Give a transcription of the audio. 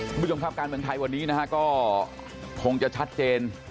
คุณผู้ชมครับการเมืองไทยวันนี้นะฮะก็คงจะชัดเจน